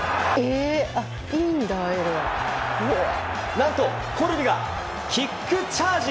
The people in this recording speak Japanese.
何と、コルビがキックチャージ！